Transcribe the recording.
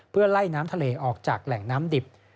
เพื่อไล่น้ำทะเลออกจากแหล่งน้ำดิบ